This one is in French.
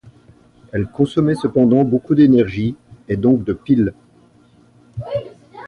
Elle consommait cependant beaucoup d'énergie, et donc de piles.